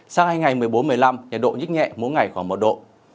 sau hai ngày một mươi bốn một mươi năm nhiệt độ nhít nhẹ mỗi ngày khoảng một độ